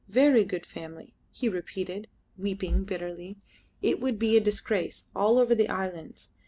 Very good family," he repeated, weeping bitterly. "It would be a disgrace ... all over the islands